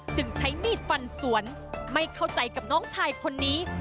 จึงใช้มีดฟันสวนไม่เข้าใจกับน้องชายคนนี้